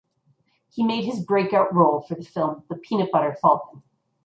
He made his breakout role for the film "The Peanut Butter Falcon".